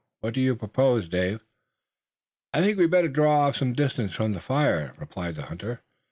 "What do you propose, Dave?" "I think we'd better draw off some distance from the fire," replied the hunter.